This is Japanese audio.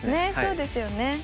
そうですね。